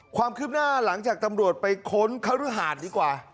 ความคืบหน้าหลังจากตำรวจไปค้นคฤหาดดีกว่า